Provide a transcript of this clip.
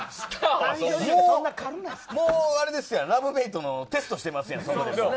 もうラブメイトのテストしてるやん。